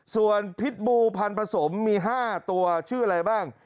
ส่วนพิษบูพันธสมมี๕ตัวชื่ออะไรบ้าง